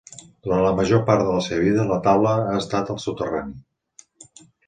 Durant la major part de la seva vida, la taula ha estat al soterrani.